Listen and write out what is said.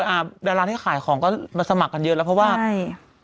อ่าดาราที่ขายของก็มาสมัครกันเยอะแล้วเพราะว่าใช่